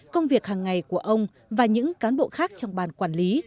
công việc hàng ngày của ông và những cán bộ khác trong bàn quản lý